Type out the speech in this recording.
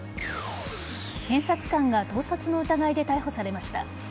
検察官が盗撮の疑いで逮捕されました。